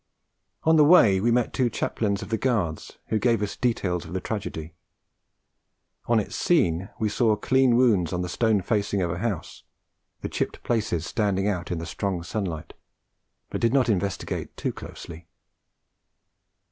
On the way we met two chaplains of the Guards, who gave us details of the tragedy; on its scene we saw clean wounds on the stone facing of a house, the chipped places standing out in the strong sunlight, but did not investigate too closely.